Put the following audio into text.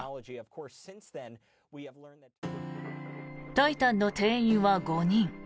「タイタン」の定員は５人。